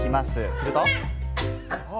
すると。